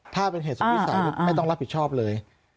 ถ้าเป็นเหตุสุดวิสัยไม่ต้องรับผิดชอบเลย